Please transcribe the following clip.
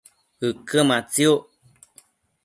ëquë matsiuc